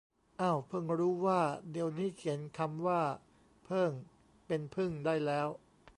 เอ้าเพิ่งรู้ว่าเดี๋ยวนี้เขียนคำว่าเพิ่งเป็นพึ่งได้แล้ว